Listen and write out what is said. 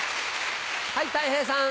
はいたい平さん。